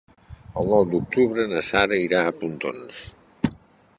El nou d'octubre na Sara irà a Pontons.